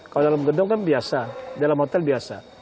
kalau dalam gedung kan biasa dalam hotel biasa